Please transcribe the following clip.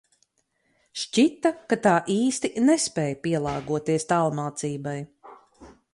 Šķita, ka tā īsti nespēj pielāgoties tālmācībai...